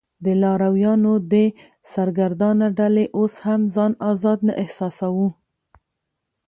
د لارویانو دې سرګردانه ډلې اوس هم ځان آزاد نه احساساوه.